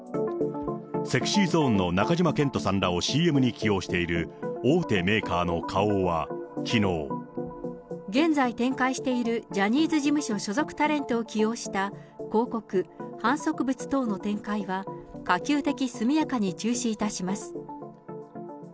ＳｅｘｙＺｏｎｅの中島健人さんらをＣＭに起用している大手メーカーの花現在展開しているジャニーズ事務所所属タレントを起用した広告、販促物等の展開は、可及的速やかに中止いたします。